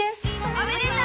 おめでとう！